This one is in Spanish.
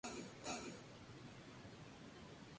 Es rescatada por Calvin y este la lleva su casa.